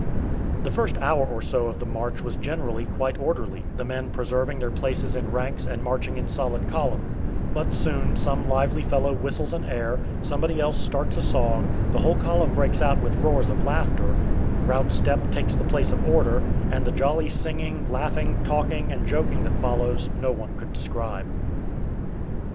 The first hour or so of the march was generally quite orderly, the men preserving their places in ranks and marching in solid column; but soon some lively fellow whistles an air, somebody else starts a song, the whole column breaks out with roars of laughter; "route step" takes the place of order, and the jolly singing, laughing, talking, and joking that follows no one could describe.